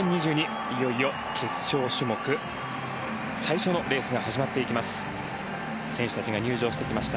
いよいよ決勝種目最初のレースが始まっていきます。